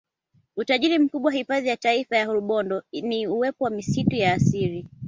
Utajiri mkubwa hifadhi ya Taifa ya Rubondo ni uwepo wa misitu ya asili